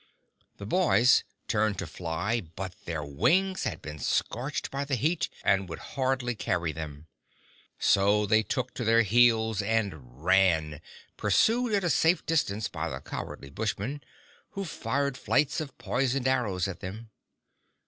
The boys turned to fly, but their wings had been scorched by the heat and would hardly carry them. So they took to their heels and ran, pursued at a safe distance by the cowardly Bushmen, who fired flights of poisoned arrows at them.